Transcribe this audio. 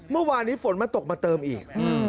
เมื่อวานนี้ฝนมาตกมาเติมอีก